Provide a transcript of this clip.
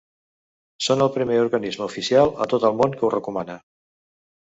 Són el primer organisme oficial a tot el món que ho recomana.